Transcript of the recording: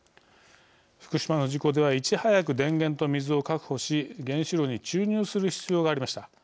福島の事故ではいち早く電源と水を確保し原子炉に注入する必要がありました。